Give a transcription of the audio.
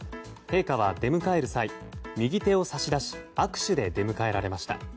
陛下は出迎える際右手を差し出し握手で出迎えられました。